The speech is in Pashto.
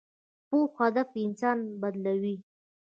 پوخ هدف انسان بدلوي